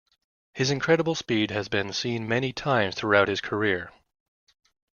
His incredible speed has been seen many times throughout his career.